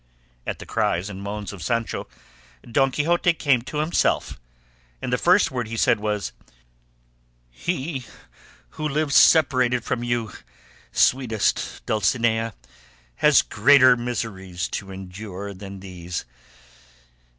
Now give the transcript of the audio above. At the cries and moans of Sancho, Don Quixote came to himself, and the first word he said was, "He who lives separated from you, sweetest Dulcinea, has greater miseries to endure than these.